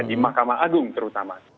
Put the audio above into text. di makam agung terutama